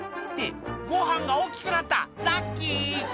「ってごはんが大きくなったラッキー」